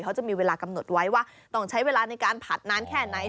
เขาจะมีเวลากำหนดไว้ว่าต้องใช้เวลาในการผัดนานแค่ไหน